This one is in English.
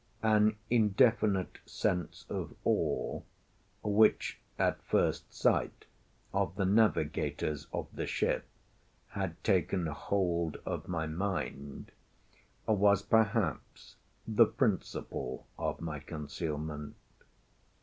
An indefinite sense of awe, which at first sight of the navigators of the ship had taken hold of my mind, was perhaps the principle of my concealment.